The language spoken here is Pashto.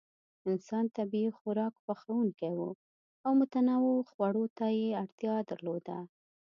انسان طبیعي خوراک خوښونکی و او متنوع خوړو ته یې اړتیا درلوده.